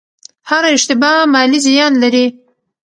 هره اشتباه مالي زیان لري.